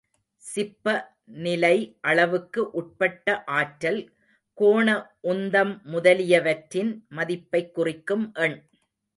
சிப்ப நிலை அளவுக்கு உட்பட்ட ஆற்றல், கோண உந்தம் முதலியவற்றின் மதிப்பைக் குறிக்கும் எண்.